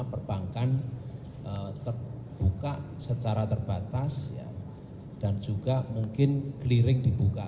perbankan terbuka secara terbatas dan juga mungkin clearing dibuka